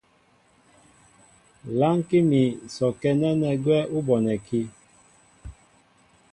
Lánkí mín sɔkɛ́ nɛ́nɛ́ gwɛ́ ú bonɛkí.